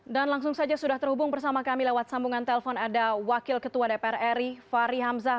dan langsung saja sudah terhubung bersama kami lewat sambungan telpon ada wakil ketua dpr ri fahri hamzah